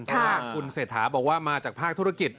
คุณเศรษฐาบอกว่ามาจากภาคธุรกิจ